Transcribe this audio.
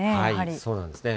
そうなんですね。